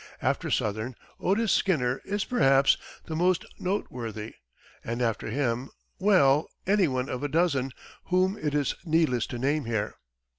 After Sothern, Otis Skinner is perhaps the most noteworthy, and after him, well, anyone of a dozen, whom it is needless to name here.